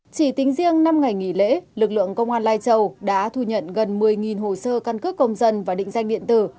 chỉ tính riêng năm ngày nghỉ lễ lực lượng công an lai châu đã thu nhận gần một mươi hồ sơ căn cước công dân và định danh điện tử